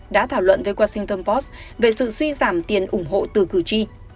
đã thảo luận với washington post về sự suy giảm tiền ủng hộ từ cử tri